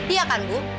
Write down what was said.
iya kan bu